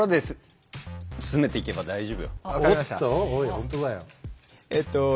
ほんとかよ。